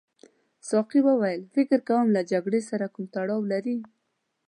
ساقي وویل فکر کوم له جګړې سره کوم تړاو لري.